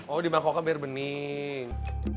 oh di mangkoknya biar bening